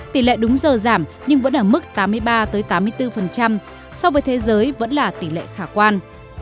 tỷ lệ đúng giờ giảm nhưng vẫn ở mức tám mươi ba tám mươi bốn so với thế giới vẫn là tỷ lệ khả quan